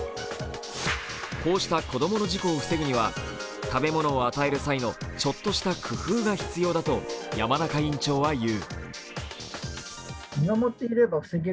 こうした子供の事故を防ぐには食べ物を与える際のちょっとした工夫が必要だと山中院長は言う。